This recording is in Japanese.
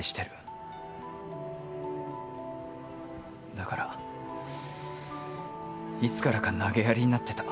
だからいつからか投げやりになってた。